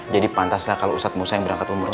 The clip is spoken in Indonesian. jadi pantas lah kalau ustad musa yang berangkat umroh